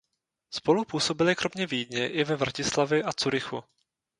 Spolu působili kromě Vídně i ve Vratislavi a Curychu.